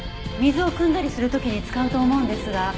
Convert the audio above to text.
水をくんだりする時に使うと思うんですが。